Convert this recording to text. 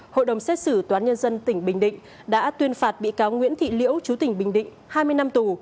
hội đồng xét xử toán nhân dân tỉnh bình định đã tuyên phạt bị cáo nguyễn thị liễu chú tỉnh bình định hai mươi năm tù